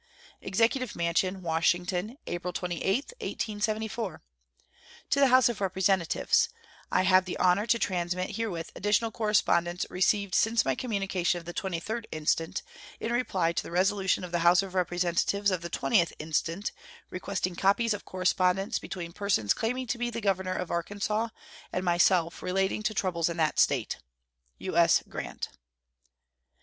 EXECUTIVE MANSION, Washington, April 28, 1874. To the House of Representatives: I have the honor to transmit herewith additional correspondence received since my communication of the 23d instant, in reply to the resolution of the House of Representatives of the 20th instant, requesting copies of correspondence between persons claiming to be governor of Arkansas and myself relating to troubles in that State. U.S. GRANT.